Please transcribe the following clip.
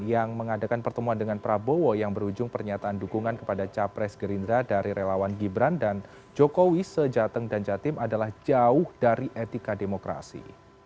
yang mengadakan pertemuan dengan prabowo yang berujung pernyataan dukungan kepada capres gerindra dari relawan gibran dan jokowi sejateng dan jatim adalah jauh dari etika demokrasi